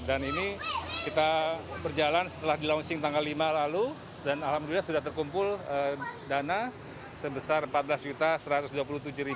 dan ini kita berjalan setelah di launching tanggal lima lalu dan alhamdulillah sudah terkumpul dana sebesar rp empat belas satu ratus dua puluh tujuh